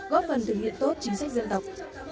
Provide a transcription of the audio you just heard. góp phần thực hiện tốt chính sách dân tộc